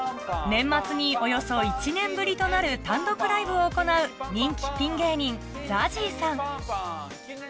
年末におよそ１年ぶりとなる単独ライブを行う人気ピン芸人ＺＡＺＹさん